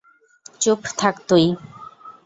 চুপ থাক তুই।